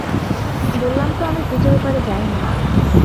বললাম তো আমি ব্রীজের ওপারে যাইনি।